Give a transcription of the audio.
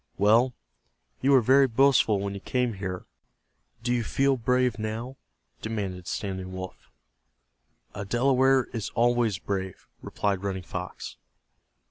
"Well, you were very boastful when you came here; do you feel brave now?" demanded Standing Wolf. "A Delaware is always brave," replied Running Fox.